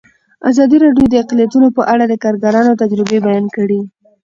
ازادي راډیو د اقلیتونه په اړه د کارګرانو تجربې بیان کړي.